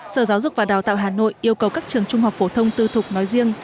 sở giáo dục và đào tạo hà nội yêu cầu các trường trung học phổ thông tư thục nói riêng